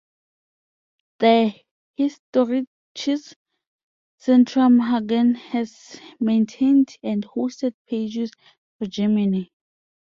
The Historisches Centrum Hagen has maintained and hosted pages for Germany.